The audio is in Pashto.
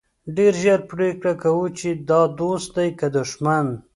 ډېر ژر پرېکړه کوو چې دا دوست دی که دښمن.